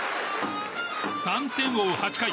３点を追う８回。